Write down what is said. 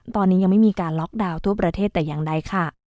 ตอนนี้ยังไม่มีการล็อกดาวน์ทั่วประเทศแต่อย่างใดค่ะ